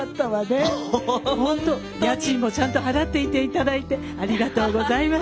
家賃もちゃんと払っていて頂いてありがとうございました。